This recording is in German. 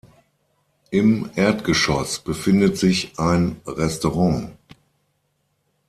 Im Erdgeschoss befindet sich ein Restaurant.